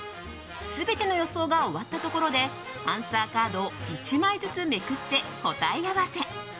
全ての予想が終わったところでアンサーカードを１枚ずつめくって答え合わせ。